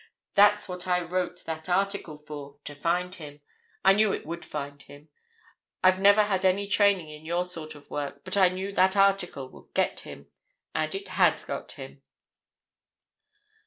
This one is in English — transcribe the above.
"That's what I wrote that article for—to find him. I knew it would find him. I've never had any training in your sort of work, but I knew that article would get him. And it has got him."